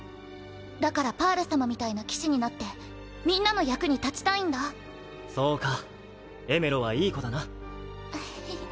だからパール様みたいな騎士になってみんなの役に立ちたいんだ（ルーベンスエメロはいい子だな